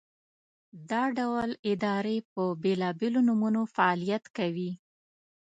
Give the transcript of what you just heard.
دا ډول ادارې په بېلابېلو نومونو فعالیت کوي.